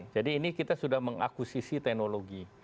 jadi ini kita sudah mengakusisi teknologi